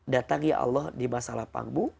datangi allah di masa lapangmu